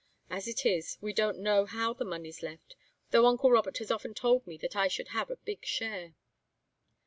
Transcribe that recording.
As it is, we don't know how the money's left, though uncle Robert has often told me that I should have a big share."